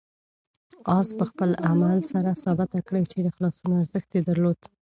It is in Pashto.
آس په خپل عمل سره ثابته کړه چې د خلاصون ارزښت یې درلود.